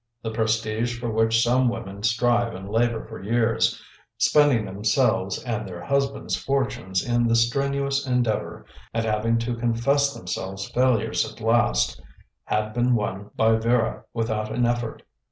The prestige for which some women strive and labour for years, spending themselves and their husband's fortunes in the strenuous endeavour, and having to confess themselves failures at last, had been won by Vera without an effort.